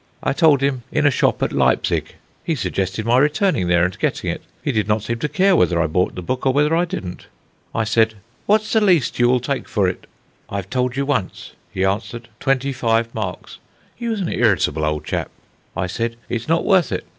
I told him in a shop at Leipsig. He suggested my returning there and getting it; he did not seem to care whether I bought the book or whether I didn't. I said: "'What's the least you will take for it?' "'I have told you once,' he answered; 'twenty five marks.' He was an irritable old chap. "I said: 'It's not worth it.'